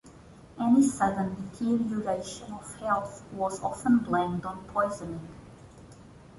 Any sudden deterioration of health was often blamed on poisoning.